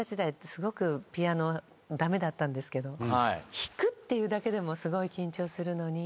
すごくピアノ駄目だったんですけど弾くっていうだけでもすごい緊張するのに。